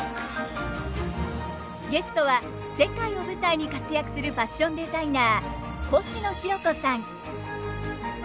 ゲストは世界を舞台に活躍するファッションデザイナーコシノヒロコさん。